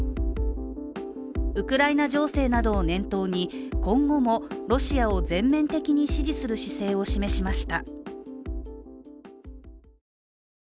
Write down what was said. ウクライナ情勢などを念頭に、今後もロシアを全面的に支持する姿勢を示しました。